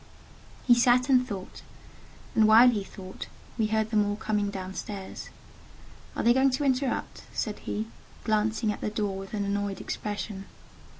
He sat and thought, and while he thought, we heard them all coming down stairs. "Are they going to interrupt?" said he, glancing at the door with an annoyed expression.